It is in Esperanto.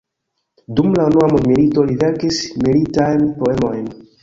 Dum la unua mondmilito li verkis militajn poemojn.